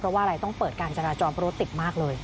เพราะว่าอะไรต้องเปิดการจราจรเพราะรถติดมากเลย